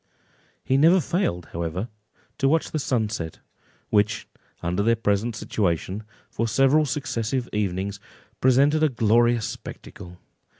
He never failed, however, to watch the sunset, which, under their present situation, for several successive evenings, presented a glorious spectacle.